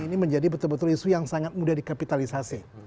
ini menjadi betul betul isu yang sangat mudah dikapitalisasi